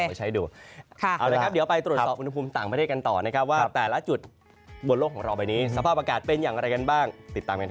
เอาเลยครับเดี๋ยวไปตรวจสอบอุณหภูมิต่างประเทศกันต่อนะครับว่าแต่ละจุดบนโลกของเราใบนี้สภาพอากาศเป็นอย่างอะไรกันบ้างติดตามกันครับ